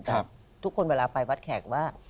ทุกคนเวลาไปวัดแขกว่า